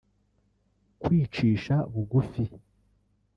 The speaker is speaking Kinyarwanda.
kwicisha bugufi